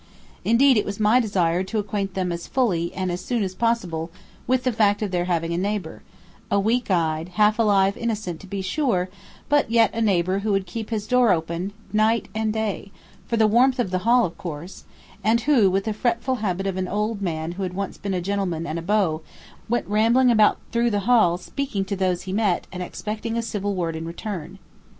Indeed it was my desire to acquaint them as fully and as soon as possible with the fact of their having a neighbor: a weak eyed half alive innocent to be sure, but yet a neighbor who would keep his door open night and day for the warmth of the hall of course and who with the fretful habit of an old man who had once been a gentleman and a beau, went rambling about through the hall speaking to those he met and expecting a civil word in return.